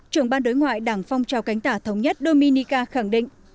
trưởng ban đối ngoại đảng phong trào cánh tả thống nhất dominica khẳng định